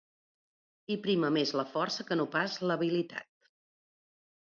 Hi prima més la força que no pas l'habilitat.